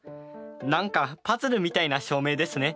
何かパズルみたいな証明ですね。